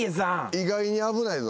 意外に危ないぞ。